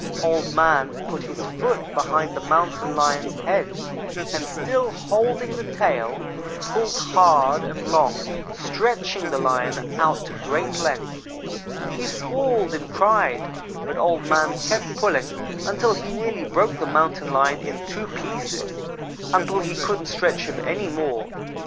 "Old man put his foot behind the Mountain lion's head, and, still holding the tail, pulled hard and long, stretching the Lion out to great length. He squalled and cried, but Old man kept pulling until he nearly broke the Mountain lion in two pieces until he couldn't stretch him any more.